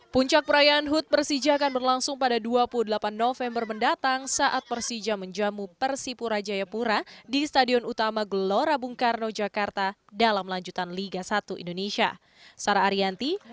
puncak perayaan hut persija akan berlangsung pada dua puluh delapan november mendatang saat persija menjamu persipura jayapura di stadion utama gelora bung karno jakarta dalam lanjutan liga satu indonesia